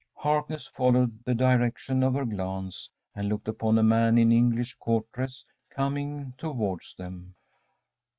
‚ÄĚ Harkness followed the direction of her glance, and looked upon a man in English Court dress coming towards them.